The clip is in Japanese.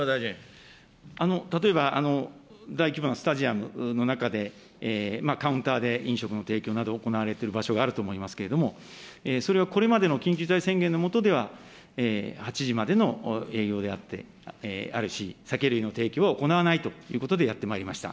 例えば、大規模なスタジアムの中で、カウンターで飲食の提供など、行われている場所があると思いますけれども、それはこれまでの緊急事態宣言の下では、８時までの営業であって、あるし、酒類の提供は行わないということでやってまいりました。